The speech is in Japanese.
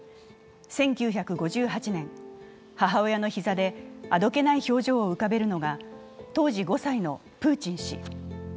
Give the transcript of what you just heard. １９５８年、母親の膝であどけない表情を浮かべるのが当時５歳のプーチン氏。